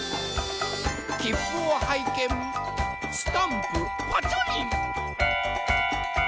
きっぷをはいけんスタンプパチョリン。